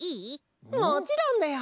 もちろんだよ！